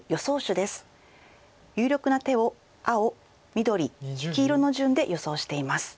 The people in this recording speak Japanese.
有力な手を青緑黄色の順で予想しています。